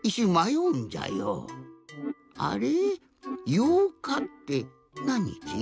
「ようか」ってなんにち？